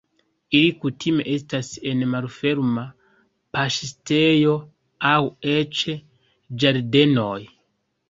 Ili kutime estas en malferma paŝtejo aŭ eĉ ĝardenoj.